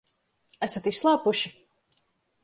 Esat izslāpuši?